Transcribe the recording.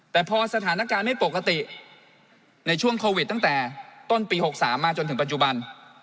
แต่พอสถานการณ์ไม่ปกติในช่วงโควิดตั้งแต่ต้นปี๖๓มาจนถึงปัจจุบัน